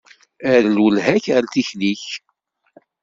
Err lwelha-k ar tikli-k.